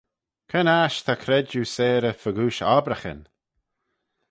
Cre'n aght ta credjue seyrey fegooish obbraghyn?